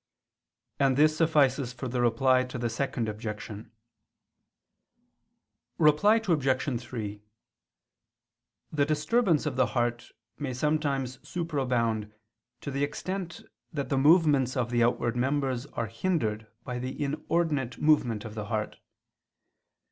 And this suffices for the Reply to the Second Objection. Reply Obj. 3: The disturbance of the heart may sometimes superabound to the extend that the movements of the outward members are hindered by the inordinate movement of the heart.